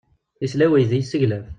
Yesla i uydi yesseglaf.